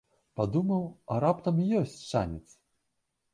Падумаў, а раптам ёсць шанец.